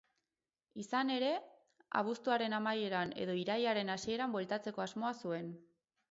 Izan ere, abuztuaren amaieran edo irailaren hasieran bueltatzeko asmoa zuen.